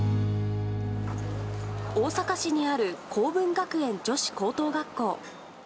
大阪市にある好文学園女子高等学校。